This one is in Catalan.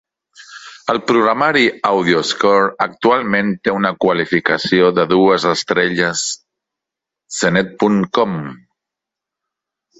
El programari AudioScore actualment té una qualificació de dues estrelles cnet punt com.